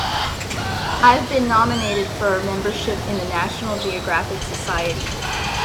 I've been nominated for membership in the National Geographic Society.